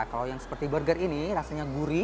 kalau yang seperti burger ini rasanya gurih